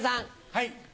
はい。